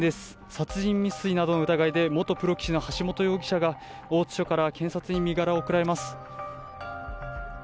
殺人未遂などの疑いで、元プロ棋士の橋本容疑者が、大津署から検察に身柄を送られます。